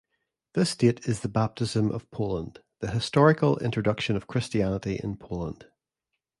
This date is the Baptism of Poland, the historical introduction of Christianity in Poland.